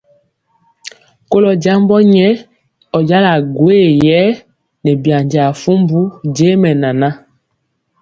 Kolɔ jambɔ nyɛ, ɔ jala gwoye yɛ nɛ byanjaa fumbu je mɛnana.